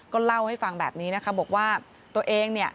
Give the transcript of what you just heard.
ก็เล่าให้ฟังแบบนี้นะคะบอกว่าตัวเองเนี่ย